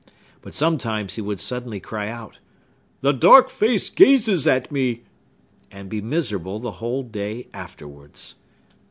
But sometimes he would suddenly cry out, "The dark face gazes at me!" and be miserable the whole day afterwards.